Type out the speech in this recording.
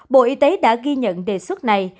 bộ y tế đã ghi nhận đề xuất này